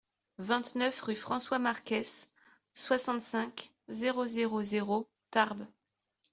vingt-neuf rue François Marquès, soixante-cinq, zéro zéro zéro, Tarbes